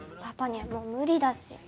パパにはもう無理だし。